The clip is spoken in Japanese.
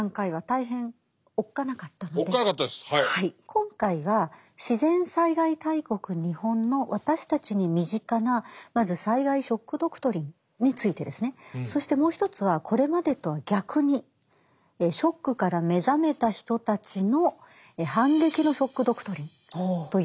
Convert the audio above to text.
今回は自然災害大国日本の私たちに身近なまず災害ショック・ドクトリンについてですね。そしてもう一つはこれまでとは逆にショックから目覚めた人たちの反撃のショック・ドクトリンというのをご紹介したいと思います。